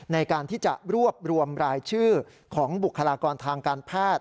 ในการที่จะรวบรวมรายชื่อของบุคลากรทางการแพทย์